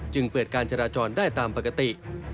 จึงเปิดการจราจรได้ตามปกติ